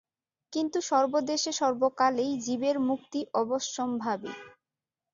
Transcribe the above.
কিন্তু সর্বদেশে সর্বকালেই জীবের মুক্তি অবশ্যম্ভাবী।